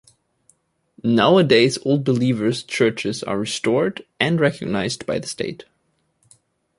Nowadays Old Believers' churches are restored and recognized by the State.